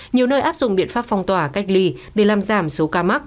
nhiều nơi áp dụng biện pháp phong tỏa cách ly để làm giảm số ca mắc